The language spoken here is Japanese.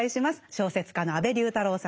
小説家の安部龍太郎さんです。